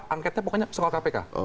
angkatnya pokoknya sekolah kpk